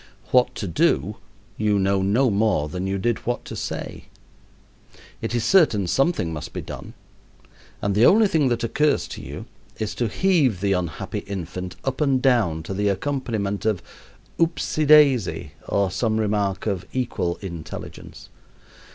What to do you know no more than you did what to say. It is certain something must be done, and the only thing that occurs to you is to heave the unhappy infant up and down to the accompaniment of "oopsee daisy," or some remark of equal intelligence.